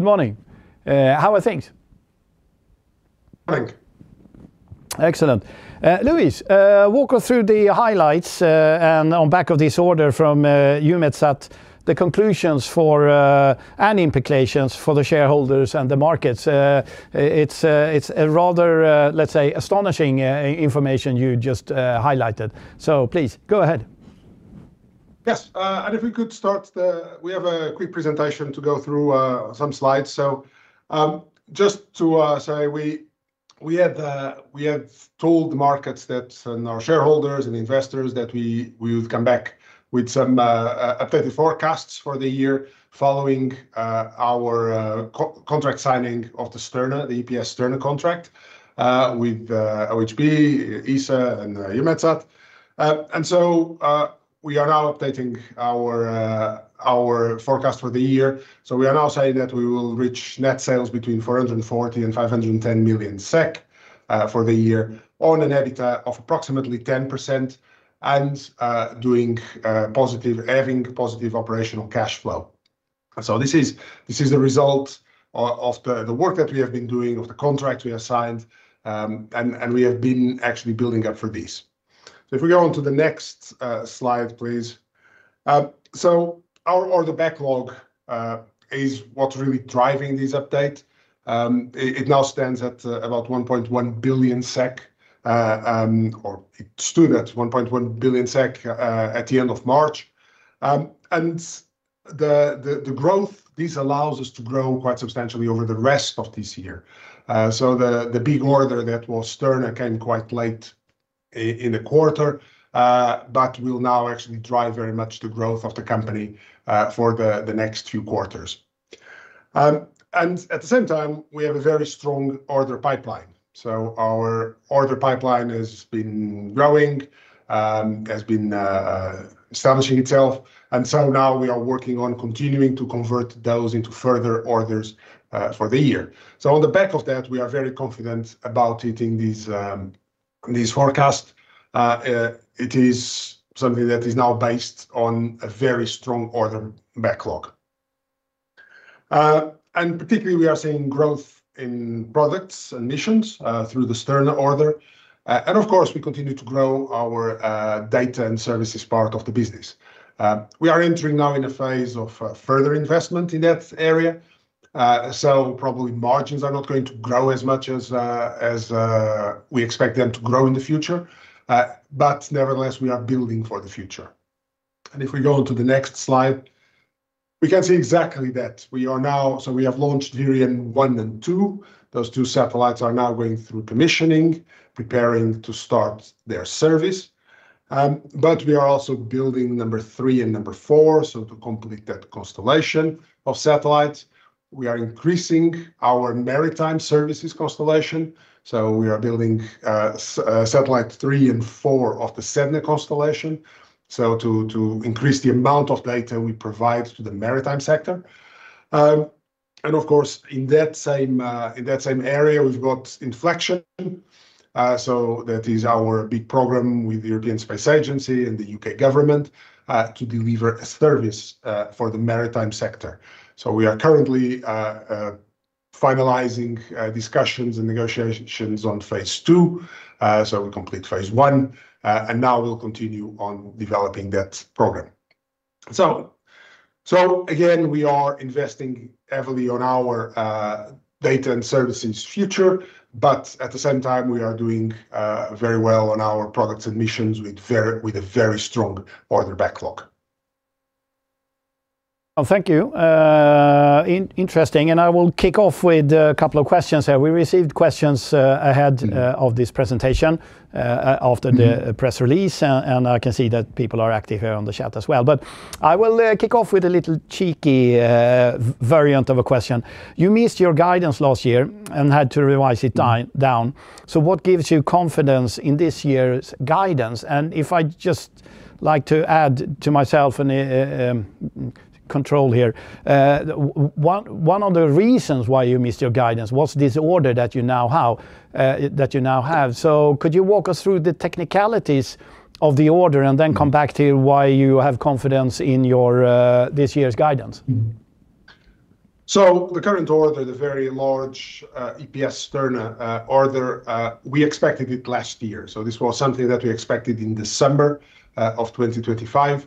Good morning. How are things? Good, thank you. Excellent. Luis, walk us through the highlights, and on the back of this order from EUMETSAT, the conclusions and implications for the shareholders and the markets. It's a rather, let's say, astonishing information you just highlighted. Please go ahead. Yes. If we could start. We have a quick presentation to go through, some slides. Just to say we have told the markets that, and our shareholders and investors that we would come back with some updated forecasts for the year following our contract signing of the Sterna, the EPS-Sterna contract, with OHB, ESA, and EUMETSAT. We are now updating our forecast for the year. We are now saying that we will reach net sales between 440 million and 510 million SEK for the year on an EBITDA of approximately 10% and having positive operational cash flow. This is the result of the work that we have been doing, of the contract we have signed. We have been actually building up for this. If we go on to the next slide, please. Our order backlog is what's really driving this update. It now stands at about 1.1 billion SEK, or it stood at 1.1 billion SEK at the end of March. The growth this allows us to grow quite substantially over the rest of this year. The big order that was Sterna came quite late in the quarter, but will now actually drive very much the growth of the company, for the next few quarters. At the same time, we have a very strong order pipeline. Our order pipeline has been growing, establishing itself. Now we are working on continuing to convert those into further orders for the year. On the back of that, we are very confident about hitting these forecasts. It is something that is now based on a very strong order backlog. Particularly we are seeing growth in Products & Missions through the Sterna order. Of course we continue to grow our Data & Services part of the business. We are entering now in a phase of further investment in that area. Probably margins are not going to grow as much as we expect them to grow in the future. Nevertheless, we are building for the future. If we go on to the next slide, we can see exactly that. We have launched VIREON 1 and 2. Those two satellites are now going through commissioning, preparing to start their service. We are also building VIREON-3 and VIREON-4, so to complete that constellation of satellites. We are increasing our maritime services constellation, so we are building satellite Sedna-3 and Sedna-4 of the Sedna constellation, so to increase the amount of data we provide to the maritime sector. Of course, in that same area we've got xSPANCION. That is our big program with European Space Agency and the U.K. government to deliver a service for the maritime sector. We are currently finalizing discussions and negotiations on phase two. We complete phase one, and now we'll continue on developing that program. Again, we are investing heavily on our Data & Services future, but at the same time, we are doing very well on our Products & Missions with a very strong order backlog. Well, thank you. Interesting. I will kick off with a couple of questions. Have we received questions ahead- Mm-hmm of this presentation. Mm-hmm... press release? I can see that people are active here on the chat as well. I will kick off with a little cheeky variant of a question. You missed your guidance last year and had to revise it down- Mm-hmm What gives you confidence in this year's guidance? If I'd just like to add a follow-up here, one of the reasons why you missed your guidance was this order that you now have. Could you walk us through the technicalities of the order and then come back to why you have confidence in this year's guidance? The current order, the very large EPS-Sterna order, we expected it last year. This was something that we expected in December of 2025.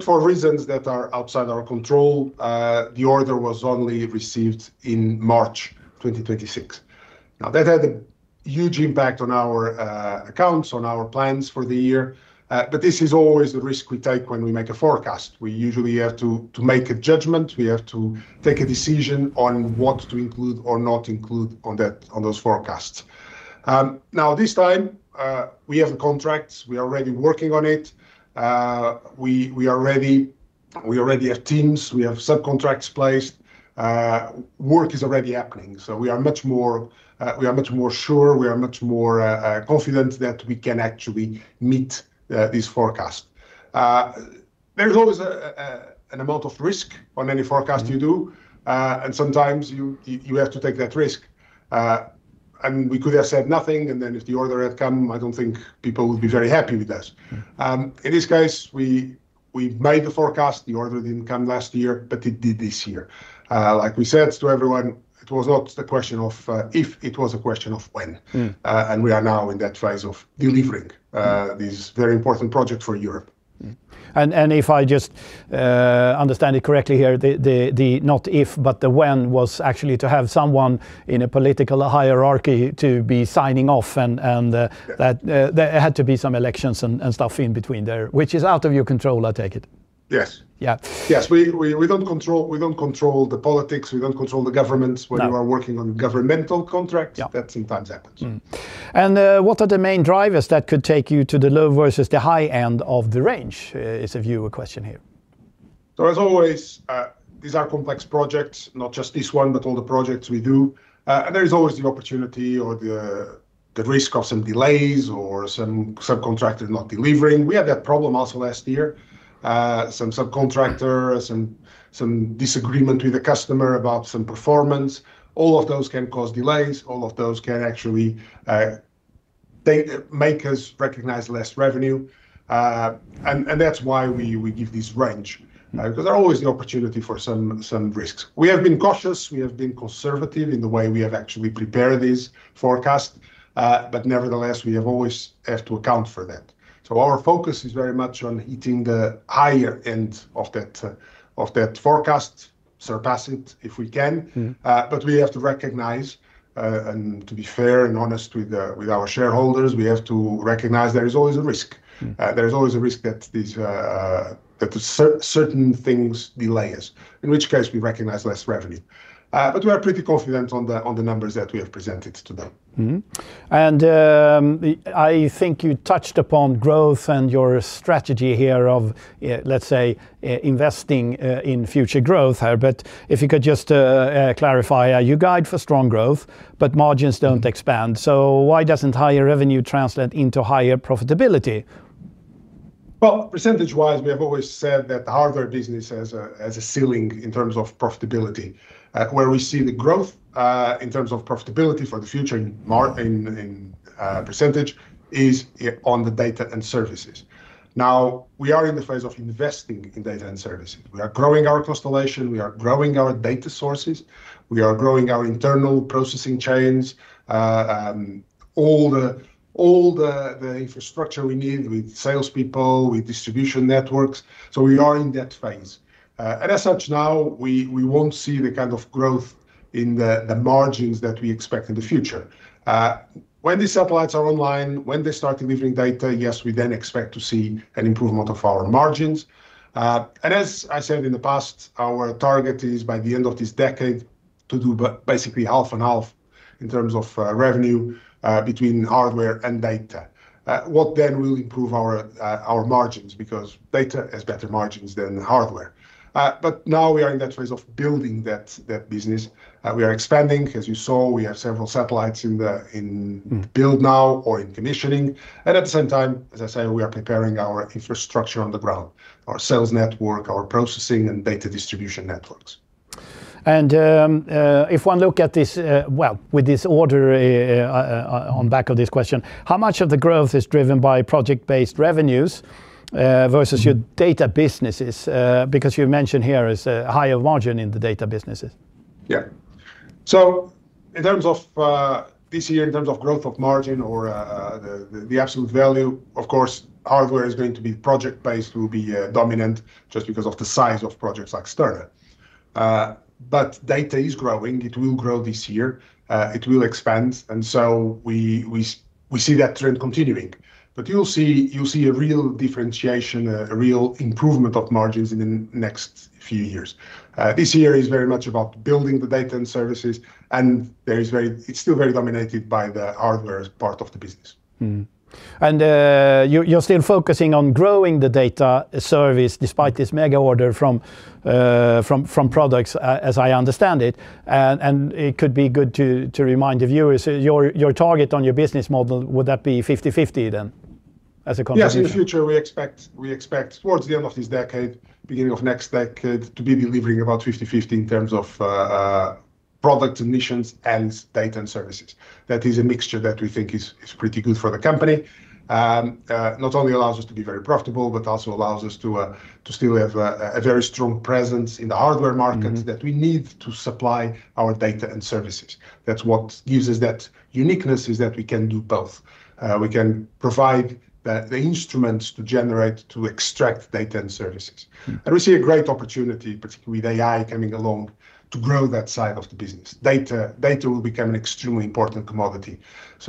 For reasons that are outside our control, the order was only received in March 2026. Now, that had a huge impact on our accounts, on our plans for the year. This is always the risk we take when we make a forecast. We usually have to make a judgment. We have to take a decision on what to include or not include on that, on those forecasts. Now this time, we have a contract. We are already working on it. We are ready. We already have teams. We have subcontracts placed. Work is already happening, so we are much more confident that we can actually meet this forecast. There is always an amount of risk on any forecast you do. Mm-hmm Sometimes you have to take that risk. We could have said nothing, and then if the order had come, I don't think people would be very happy with us. Mm. In this case, we made the forecast. The order didn't come last year, but it did this year. Like we said to everyone, it was not a question of if, it was a question of when. Mm. We are now in that phase of delivering. Mm This very important project for Europe. If I just understand it correctly here, the not if, but the when was actually to have someone in a political hierarchy to be signing off and Yes... that there had to be some elections and stuff in between there, which is out of your control, I take it. Yes. Yeah. Yes. We don't control the politics. We don't control the governments. No. When you are working on governmental contracts. Yeah That sometimes happens. What are the main drivers that could take you to the low versus the high end of the range? This is a viewer question here. As always, these are complex projects, not just this one, but all the projects we do. There is always the opportunity or the risk of some delays or some subcontractor not delivering. We had that problem also last year. Some subcontractor, some disagreement with the customer about some performance. All of those can cause delays. All of those can actually, they make us recognize less revenue. And that's why we give this range. Mm 'Cause there are always the opportunity for some risks. We have been cautious. We have been conservative in the way we have actually prepared this forecast. But nevertheless, we always have to account for that. Our focus is very much on hitting the higher end of that forecast, surpass it if we can. Mm. We have to recognize, and to be fair and honest with our shareholders, there is always a risk. Mm. There is always a risk that certain things delay us, in which case we recognize less revenue. We are pretty confident on the numbers that we have presented to them. Mm-hmm. I think you touched upon growth and your strategy here of let's say, investing in future growth here. But if you could just clarify, your guidance for strong growth, but margins don't expand. Why doesn't higher revenue translate into higher profitability? Well, percentage-wise, we have always said that the hardware business has a ceiling in terms of profitability. Where we see the growth in terms of profitability for the future in percentage is on the Data & Services. Now, we are in the phase of investing in Data & Services. We are growing our constellation. We are growing our data sources. We are growing our internal processing chains. All the infrastructure we need with salespeople, with distribution networks. We are in that phase. And as such now, we won't see the kind of growth in the margins that we expect in the future. When these satellites are online, when they start delivering data, yes, we then expect to see an improvement of our margins. As I said in the past, our target is by the end of this decade to do basically half and half in terms of revenue between hardware and data. What then will improve our margins, because data has better margins than hardware. Now we are in that phase of building that business. We are expanding. As you saw, we have several satellites in build now or in commissioning. At the same time, as I say, we are preparing our infrastructure on the ground, our sales network, our processing and data distribution networks. If one look at this, on back of this question, how much of the growth is driven by project-based revenues versus your data businesses? Because you mentioned there is a higher margin in the data businesses. Yeah. In terms of this year, in terms of growth of margin or the absolute value, of course, hardware is going to be project-based, will be dominant just because of the size of projects like Sterna. Data is growing. It will grow this year. It will expand, and so we see that trend continuing. You'll see a real differentiation, a real improvement of margins in the next few years. This year is very much about building the Data & Services, and it's still very dominated by the hardware as part of the business. You're still focusing on growing the Data & Services despite this mega order from Products & Missions, as I understand it, and it could be good to remind the viewers your target on your business model, would that be 50/50 then as a combination? Yes, in the future, we expect towards the end of this decade, beginning of next decade, to be delivering about 50/50 in terms of Products & Missions and Data & Services. That is a mixture that we think is pretty good for the company. It not only allows us to be very profitable, but also allows us to still have a very strong presence in the hardware markets. Mm... that we need to supply our Data & Services. That's what gives us that uniqueness, is that we can do both. We can provide the instruments to generate, to extract Data & Services. Mm. We see a great opportunity, particularly with AI coming along, to grow that side of the business. Data will become an extremely important commodity. Those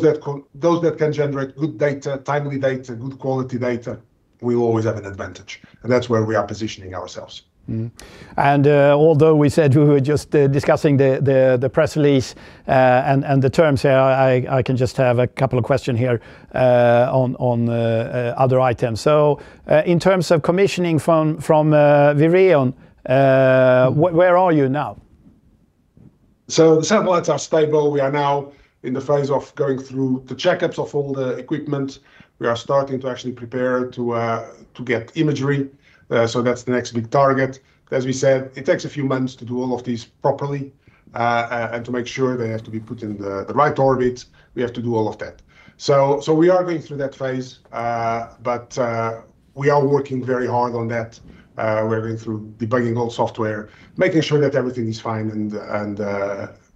that can generate good data, timely data, good quality data, will always have an advantage, and that's where we are positioning ourselves. Although we said we were just discussing the press release and the terms here, I can just have a couple of question here on other items. In terms of commissioning from VIREON, where are you now? The satellites are stable. We are now in the phase of going through the checkups of all the equipment. We are starting to actually prepare to get imagery. That's the next big target. As we said, it takes a few months to do all of these properly, and to make sure they have to be put in the right orbit, we have to do all of that. We are going through that phase. We are working very hard on that. We're going through debugging all software, making sure that everything is fine and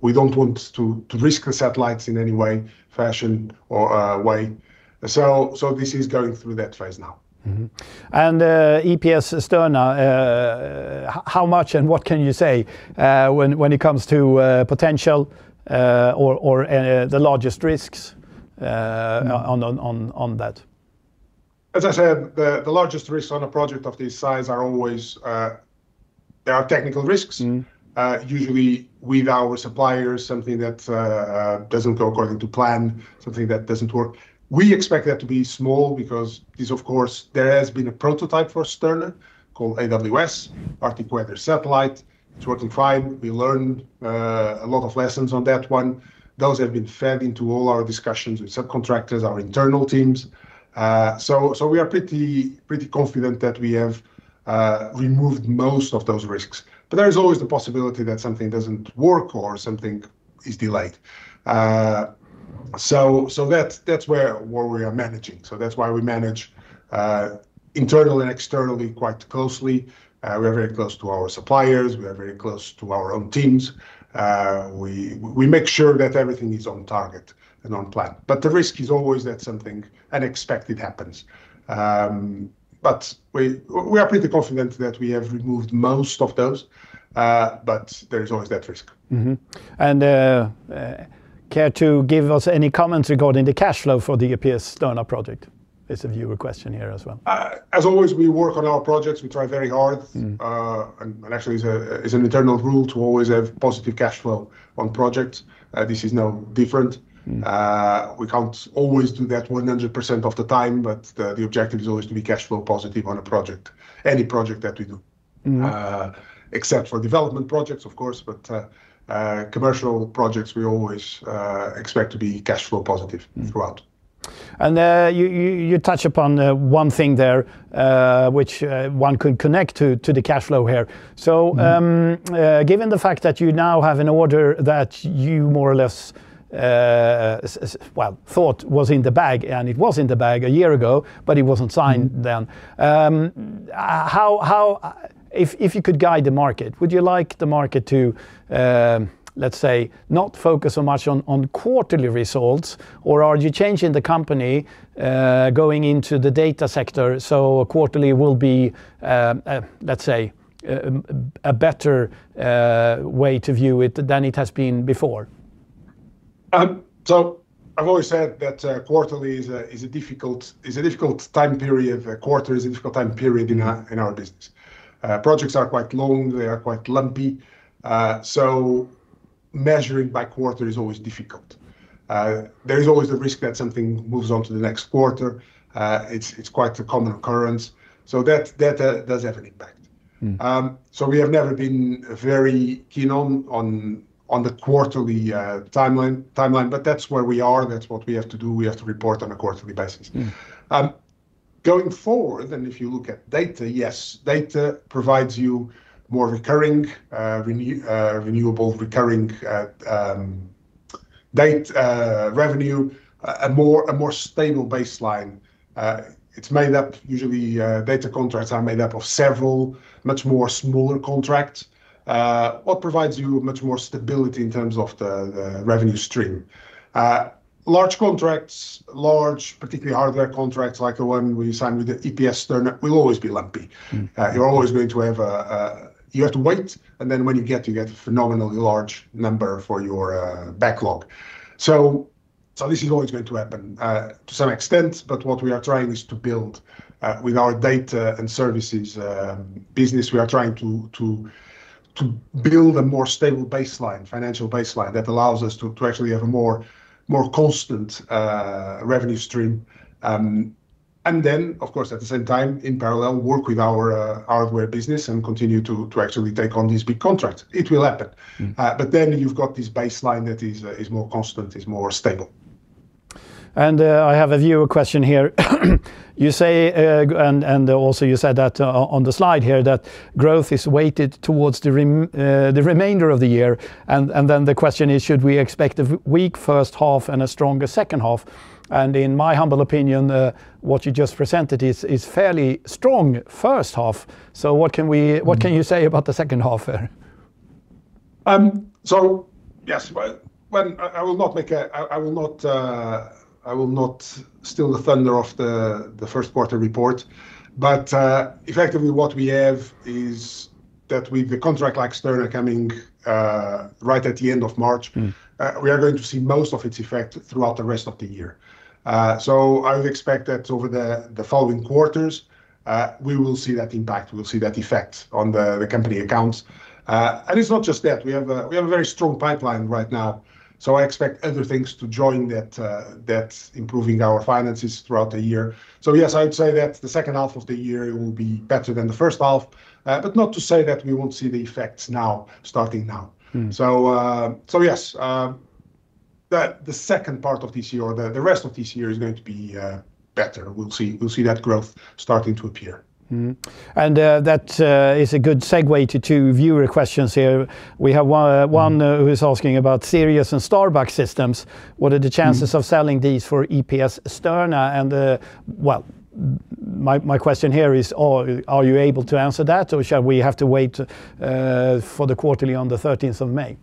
we don't want to risk the satellites in any way, fashion, or way. This is going through that phase now. Mm-hmm. EPS-Sterna, how much and what can you say when it comes to potential or the largest risks? Mm... on, on, on, on that? As I said, the largest risks on a project of this size are always. There are technical risks. Mm. Usually with our suppliers, something that doesn't go according to plan, something that doesn't work. We expect that to be small because, of course, there has been a prototype for Sterna called AWS, Arctic Weather Satellite. It's working fine. We learned a lot of lessons on that one. Those have been fed into all our discussions with subcontractors, our internal teams. We are pretty confident that we have removed most of those risks. There is always the possibility that something doesn't work or something is delayed. That's where we are managing. That's why we manage internal and externally quite closely. We are very close to our suppliers. We are very close to our own teams. We make sure that everything is on target and on plan, but the risk is always that something unexpected happens. We are pretty confident that we have removed most of those. There is always that risk. Care to give us any comments regarding the cash flow for the EPS-Sterna project? It's a viewer question here as well. As always, we work on our projects. We try very hard. Mm Actually, it is an internal rule to always have positive cash flow on projects. This is no different. Mm. We can't always do that 100% of the time, but the objective is always to be cash flow positive on a project, any project that we do. Mm. Except for development projects of course, but commercial projects we always expect to be cash flow positive- Mm ...throughout. You touch upon one thing there, which one could connect to the cash flow here. So- Mm Given the fact that you now have an order that you more or less well thought was in the bag, and it was in the bag a year ago, but it wasn't signed then. Mm How, if you could guide the market, would you like the market to, let's say, not focus so much on quarterly results or are you changing the company, going into the data sector so quarterly will be, let's say, a better way to view it than it has been before? I've always said that quarterly is a difficult time period. A quarter is a difficult time period in our business. Projects are quite long. They are quite lumpy. Measuring by quarter is always difficult. There is always the risk that something moves on to the next quarter. It's quite a common occurrence. That data does have an impact. Mm. We have never been very keen on the quarterly timeline, but that's where we are. That's what we have to do. We have to report on a quarterly basis. Mm. Going forward, if you look at data, yes, data provides you more recurring, renewable recurring data revenue, a more stable baseline. It's made up usually, data contracts are made up of several much smaller contracts, which provides you much more stability in terms of the revenue stream. Large contracts, particularly hardware contracts, like the one we signed with the EPS-Sterna, will always be lumpy. Mm. You're always going to have to wait, and then when you get a phenomenally large number for your backlog. This is always going to happen to some extent, but what we are trying is to build with our Data & Services business a more stable financial baseline that allows us to actually have a more constant revenue stream. Of course, at the same time, in parallel work with our hardware business and continue to actually take on these big contracts. It will happen. Mm. You've got this baseline that is more constant, is more stable. I have a viewer question here. You say, and also you said that on the slide here, that growth is weighted towards the remainder of the year. Then the question is, should we expect a weak first half and a stronger second half? In my humble opinion, what you just presented is fairly strong first half. Mm What can you say about the second half there? Well, I will not steal the thunder of the first quarter report, but effectively what we have is that with the contract like Sterna coming right at the end of March- Mm We are going to see most of its effect throughout the rest of the year. I would expect that over the following quarters, we will see that impact. We'll see that effect on the company accounts. It's not just that. We have a very strong pipeline right now, so I expect other things to join that improving our finances throughout the year. Yes, I would say that the second half of the year will be better than the first half. Not to say that we won't see the effects now, starting now. Mm. Yes, that the second part of this year or the rest of this year is going to be better. We'll see that growth starting to appear. That is a good segue to two viewer questions here. We have one who is asking about Sirius and Starbuck systems. What are the chances of selling these for EPS-Sterna and, well, my question here is, are you able to answer that, or shall we have to wait for the quarterly on the 13th of May?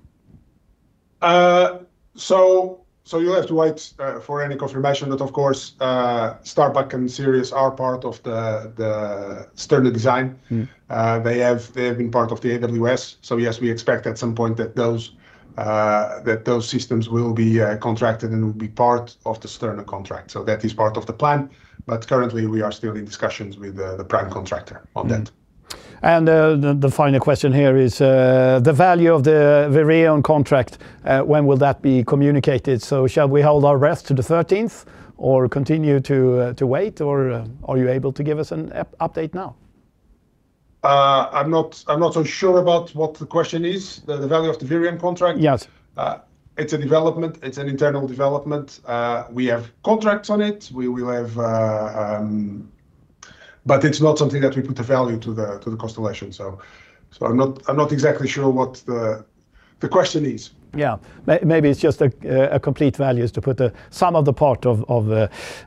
You'll have to wait for any confirmation that of course Starbuck and Sirius are part of the Sterna design. Mm. They have been part of the AWS. Yes, we expect at some point that those systems will be contracted and will be part of the Sterna contract. That is part of the plan. Currently we are still in discussions with the prime contractor on that. The final question here is the value of the VIREON contract, when will that be communicated? Shall we hold our breath to the 13th, or continue to wait, or are you able to give us an update now? I'm not so sure about what the question is. The value of the VIREON contract? Yes. It's a development, it's an internal development. We have contracts on it. It's not something that we put a value to the constellation. I'm not exactly sure what the question is. Yeah. Maybe it's just a complete value is to put a sum of the parts of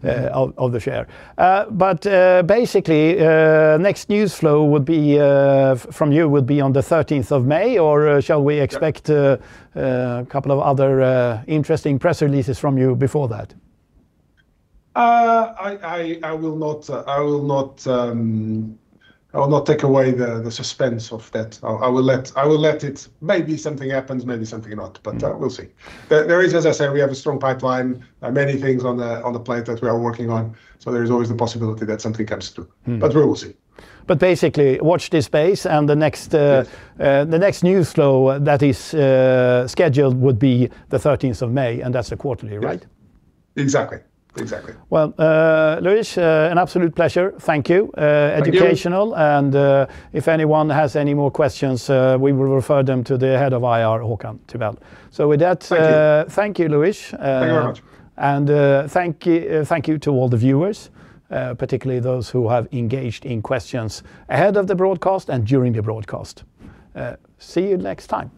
the share. Basically, next news flow would be from you on the 13th of May, or shall we expect? Yeah... a couple of other, interesting press releases from you before that? I will not take away the suspense of that. I will let it. Maybe something happens, maybe something not. Mm We'll see. There is, as I say, we have a strong pipeline, many things on the plate that we are working on. There is always the possibility that something comes through. Mm. We will see. Basically, watch this space, and the next. Yes The next news flow that is scheduled would be the 13th of May, and that's the quarterly, right? Yes. Exactly. Well, Luis, an absolute pleasure. Thank you. Thank you.... educational, and if anyone has any more questions, we will refer them to the head of IR, Håkan Tribell. With that- Thank you.... thank you, Luis. Thank you very much. Thank you to all the viewers, particularly those who have engaged in questions ahead of the broadcast and during the broadcast. See you next time.